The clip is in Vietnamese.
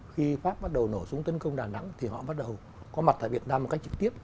khi pháp bắt đầu nổ súng tấn công đà nẵng thì họ bắt đầu có mặt tại việt nam một cách trực tiếp